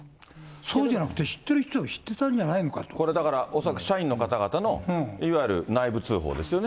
そうじゃなくて知ってる人は知っこれ、だから恐らく社員の方のいわゆる内部通報ですよね。